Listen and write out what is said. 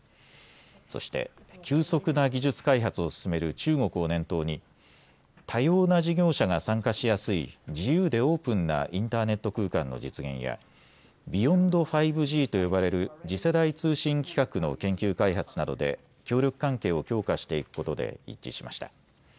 そして急速な技術開発を進める中国を念頭に多様な事業者が参加しやすい自由でオープンなインターネット空間の実現やビヨンド５Ｇと呼ばれる次世代通信規格の研究開発などで協力関係を強化していくことで一致しました。